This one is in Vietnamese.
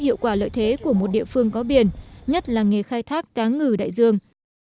hiệu quả lợi thế của một địa phương có biển nhất là nghề khai thác cá ngừ đại dương